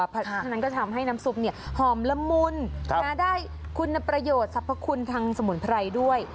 ฉะนั้นก็ทำให้น้ำซุปเนี่ยหอมละมุนมาได้คุณประโยชน์ทรัพย์คุณทางสมุนไพรด้วย